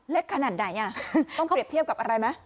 ขนาดไหนต้องเปรียบเทียบกับอะไรไหม